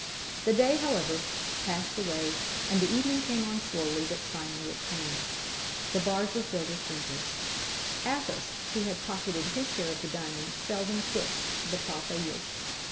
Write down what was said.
The day, however, passed away; and the evening came on slowly, but finally it came. The bars were filled with drinkers. Athos, who had pocketed his share of the diamond, seldom quit the Parpaillot.